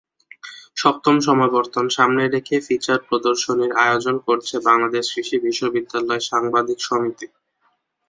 সপ্তম সমাবর্তন সামনে রেখে ফিচার প্রদর্শনীর আয়োজন করেছে বাংলাদেশ কৃষি বিশ্ববিদ্যালয় সাংবাদিক সমিতি।